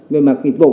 về mặt nghiệp vụ